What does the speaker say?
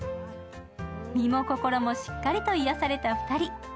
身も心もしっかりと癒された２人。